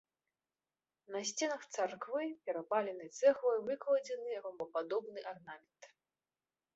На сценах царквы перапаленай цэглай выкладзены ромбападобны арнамент.